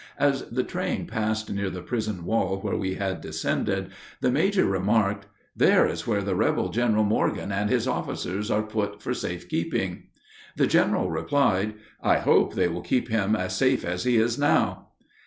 As the train passed near the prison wall where we had descended, the major remarked, "There is where the rebel General Morgan and his officers are put for safe keeping." The general replied, "I hope they will keep him as safe as he is now."